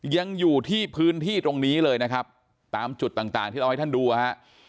ยังอยู่ที่พื้นที่ตรงนี้เลยนะครับตามจุดต่างที่เราให้ท่านดูนะฮะ